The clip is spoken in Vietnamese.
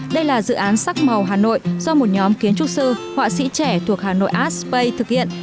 đây là dự án sắc màu hà nội do một nhóm kiến trúc sư họa sĩ trẻ thuộc hà nội aspay thực hiện